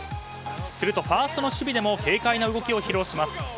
すると、ファーストの守備でも軽快な動きを披露します。